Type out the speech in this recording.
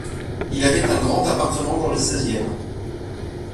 Il avait un grand appartement dans le seizième.